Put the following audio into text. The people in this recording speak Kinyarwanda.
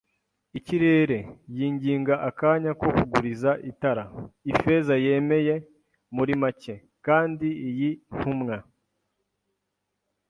ikirere, yinginga akanya ko kuguriza itara. Ifeza yemeye muri make, kandi iyi ntumwa